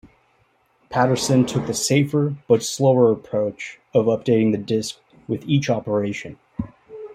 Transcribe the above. Paterson took the safer but slower approach of updating the disk with each operation.